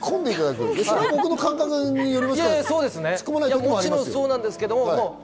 それ僕の感覚によりますけれども。